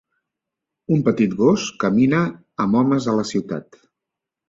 Un petit gos camina amb homes a la ciutat.